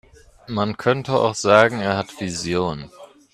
Man könnte auch sagen, er hat Visionen.